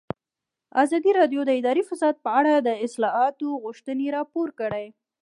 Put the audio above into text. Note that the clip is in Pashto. ازادي راډیو د اداري فساد په اړه د اصلاحاتو غوښتنې راپور کړې.